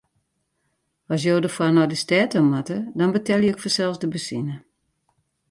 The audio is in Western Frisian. As jo derfoar nei de stêd ta moatte, dan betelje ik fansels de benzine.